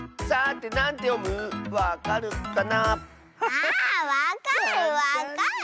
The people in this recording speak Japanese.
あわかるわかる。